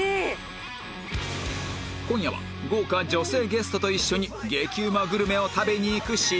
今夜は豪華女性ゲストと一緒に激ウマグルメを食べに行く新企画！